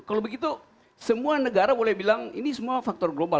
kalau begitu semua negara boleh bilang ini semua faktor global